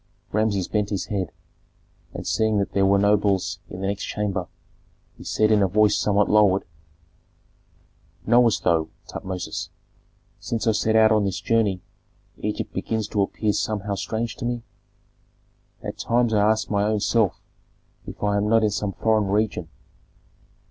Rameses bent his head, and seeing that there were nobles in the next chamber, he said in a voice somewhat lowered, "Knowest thou, Tutmosis, since I set out on this journey Egypt begins to appear somehow strange to me? At times I ask my own self if I am not in some foreign region.